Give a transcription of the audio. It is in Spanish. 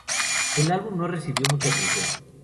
El álbum no recibió mucha atención.